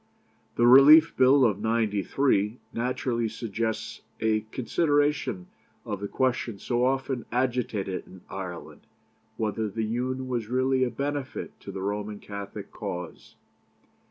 "The Relief Bill of '93 naturally suggests a consideration of the question so often agitated in Ireland, whether the Union was really a benefit to the Roman Catholic cause.